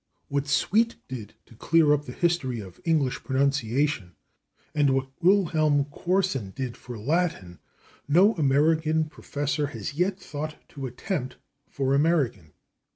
What Sweet did to clear up the history of English pronunciation, and what Wilhelm Corssen did for Latin, no American professor has yet thought to attempt for American.